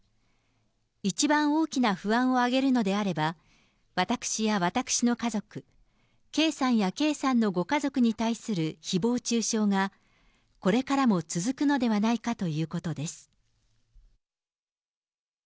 一番大きな不安を挙げるのであれば、私や私の家族、圭さんや圭さんのご家族に対するひぼう中傷が、これからも続くのではないかということです。